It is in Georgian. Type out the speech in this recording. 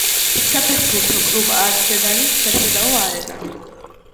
საფეხბურთო კლუბ არსენალის საშინაო არენა.